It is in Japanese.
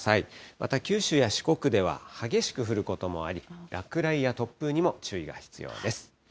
また九州や四国では激しく降ることもあり、落雷や突風にも注意が必要です。